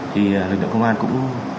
thì lực lượng công an cũng